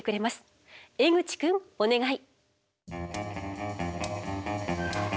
江口くんお願い！